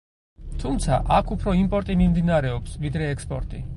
თუმცა აქ უფრო იმპორტი მიმდინარეობს, ვიდრე ექსპორტი.